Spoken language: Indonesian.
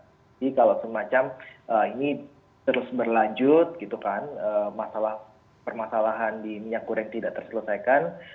jadi kalau semacam ini terus berlanjut gitu kan masalah permasalahan di minyak goreng tidak terselesaikan